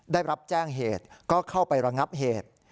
ได้รับแจ้งเหตุก็เข้าไประงับเหตุ